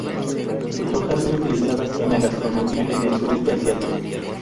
Sus hojas son utilizadas en la gastronomía en el sureste asiático.